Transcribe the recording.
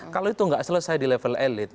kalau itu nggak selesai di level elit